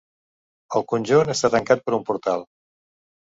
El conjunt està tancat per un portal.